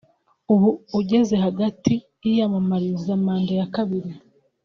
ubu ugeze hagati yiyamamariza manda ya kabiri